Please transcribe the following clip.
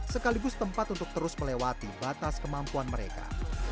sekaligus tempat untuk terus melewati batas kemampuan mereka